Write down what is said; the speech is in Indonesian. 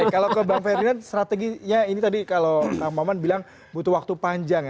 oke kalau ke bang ferdinand strateginya ini tadi kalau bang maman bilang butuh waktu panjang ya